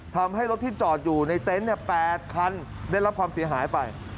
ทำให้รถที่จอดอยู่ในเต็นต์๘คันได้รับความเสียหายไป